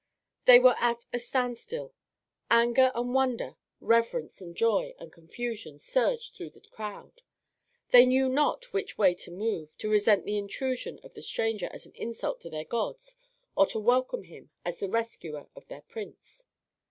They were at a standstill. Anger and wonder, reverence and joy and confusion surged through the crowd. They knew not which way to move: to resent the intrusion of the stranger as an insult to their gods, or to welcome him as the rescuer of their prince.